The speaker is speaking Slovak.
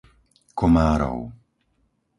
Komárov